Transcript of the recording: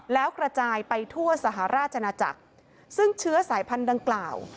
แล้วกระจายไปทั่วสหราชนาจักรซึ่งเชื้อสายพันธุ์ดังกล่าว